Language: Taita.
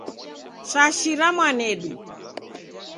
Shashira mwanedu.